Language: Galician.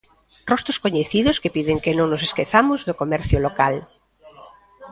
Rostros coñecidos que piden que non nos esquezamos do comercio local.